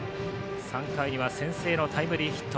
３回には先制のタイムリーヒット。